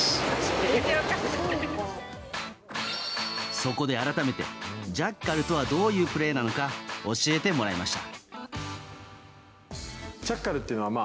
そこで改めてジャッカルとはどういうプレーなのか教えてもらいました。